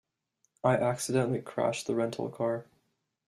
I accidentally crashed the rental car.